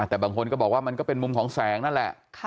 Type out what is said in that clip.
แต่บางคนก็บอกว่ามันก็เป็นมุมของแสงนั่นแหละ